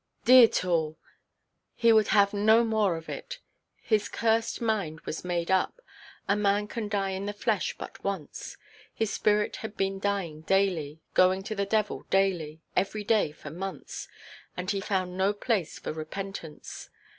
D——n it all, he would have no more of it. His cursed mind was made up. A man can die in the flesh but once. His spirit had been dying daily, going to the devil daily, every day for months; and he found no place for repentance.